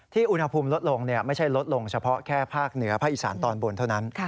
อุณหภูมิลดลงไม่ใช่ลดลงเฉพาะแค่ภาคเหนือภาคอีสานตอนบนเท่านั้น